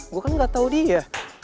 gue kan gak tahu dia